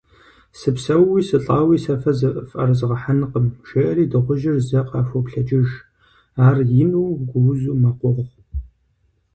Сыпсэууи сылӀауи сэ фэ зыфӀэрызгъэхьэнкъым! - жеӀэри дыгъужьыр зэ къахуоплъэкӀыж, ар ину, гуузу мэкъугъ.